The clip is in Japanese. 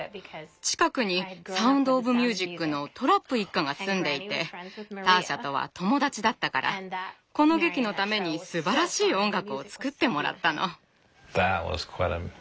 近くに「サウンド・オブ・ミュージック」のトラップ一家が住んでいてターシャとは友達だったからこの劇のためにすばらしい音楽を作ってもらったの。